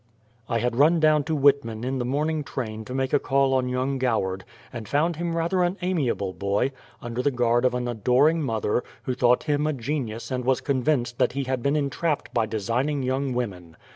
I had run down to Whitman in the morning train to make a call on young Goward, and found him rather an amiable boy, under the guard of an adoring mother, who thought him a genius and was convinced that he had been entrapped by designing young women.